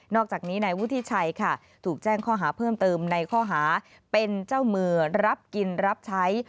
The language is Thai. อกจากนี้นายวุฒิชัยค่ะถูกแจ้งข้อหาเพิ่มเติมในข้อหาเป็นเจ้ามือรับกินรับใช้